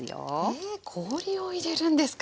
え氷を入れるんですか！